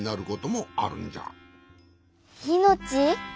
いのち？